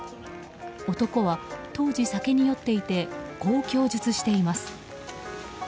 男は当時酒に酔っていてこう供述しています。